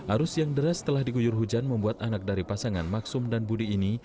arus yang deras setelah diguyur hujan membuat anak dari pasangan maksum dan budi ini